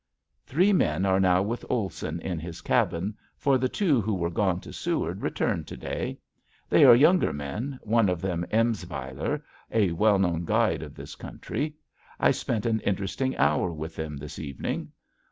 Three men are now with Olson in his cabin, for the two who were gone to Seward returned to day. They are younger men, one of them Emsweiler a well known guide of this country. I spent an interesting hour with them this evening.